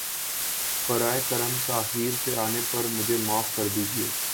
براہ کرم تاخیر سے آنے پر مجھے معاف کر دیجۓ